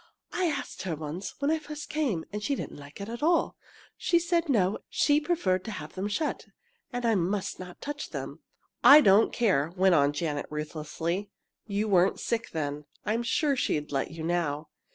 "I asked her once, when I first came, and she didn't like it at all! She said no, she preferred to have them shut, and I must not touch them." "I don't care!" went on Janet, ruthlessly. "You weren't sick then. I'm sure she'd let you now!"